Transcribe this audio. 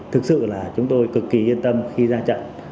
thực sự là chúng tôi cực kỳ yên tâm khi ra trận